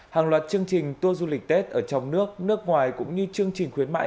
hàng loạt chương trình tour du lịch tết ở trong nước nước ngoài cũng như chương trình khuyến mại